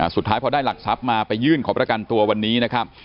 สุดท้ายพอได้หลักทรัพย์มาไปยื่นขอประกันตัววันนี้นะครับ